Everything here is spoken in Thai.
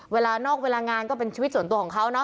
เวลานอกเวลางานก็เป็นชีวิตส่วนตัวของเขาเนาะ